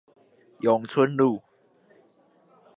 永春路